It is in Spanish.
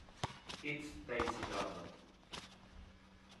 It's Stacy London!